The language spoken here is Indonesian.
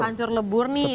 hancur lebur nih ini